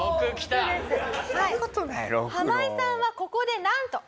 ハマイさんはここでなんと。